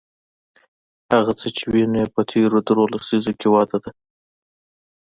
هغه څه چې وینو په تېرو درې لسیزو کې وده ده.